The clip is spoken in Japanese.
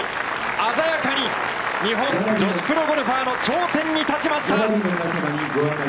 鮮やかに日本女子プロゴルファーの頂点に立ちました！